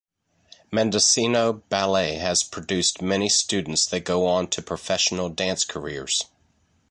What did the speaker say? Mendocino ballet has produced many students that go on to professional dance careers.